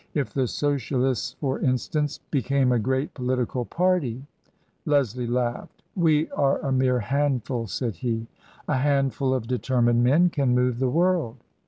If the Socialists, for instance, became a great political party ?" Leslie laughed. " We are a mere handful," said he. "A handful of determined men can move the world."